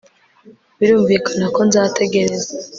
birumvikana ko nzategereza